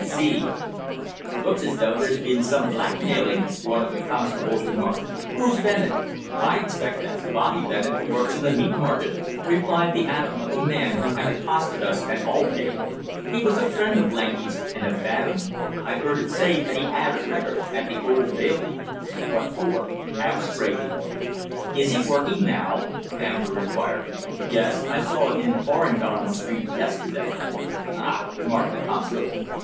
Z."_ "Looks as though there's been some blackmailing," one of the constables remarked. "Who's Bennett?" "I expect that's Bobby Bennett who works in the Meat Market," replied the atom of a man who had accosted us at Aldgate. "He was a friend of Lanky's, and a bad 'un. I've 'eard say that 'e 'ad a record at the Old Bailey." "What for?" "'Ousebreakin'." "Is he working now?" Ambler inquired. "Yes. I saw 'im in Farrin'don Street yesterday." "Ah!" remarked the constable.